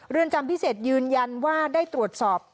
จำพิเศษยืนยันว่าได้ตรวจสอบ